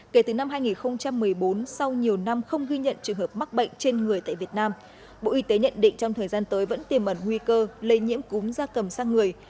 kể từ năm hai nghìn một mươi bốn sau nhiều năm không ghi nhận trường hợp mắc bệnh trên người tại việt nam bộ y tế nhận định trong thời gian tới vẫn tiềm ẩn nguy cơ lây nhiễm cúm da cầm sang người